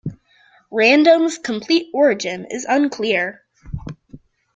Random's complete origin is unclear.